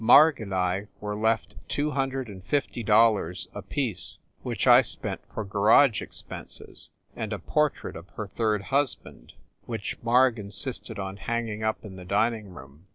Marg and I were left two hundred and fifty dollars apiece, which I spent for garage ex penses, and a portrait of her third husband, which Marg insisted on hanging up in the dining room.